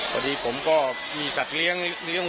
ผมก็มีสัตว์เลี้ยง